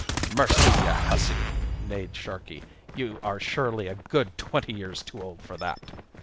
"Mercy, you hussy!" neighed Sharkey, "you are surely a good twenty years too old for that."